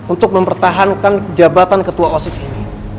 untuk mempertahankan jabatan ketua osis ini